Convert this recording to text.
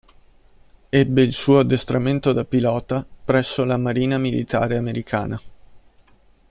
Ebbe il suo addestramento da pilota presso la marina militare americana.